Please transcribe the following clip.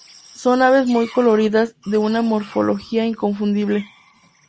Son aves muy coloridas de una morfología inconfundible.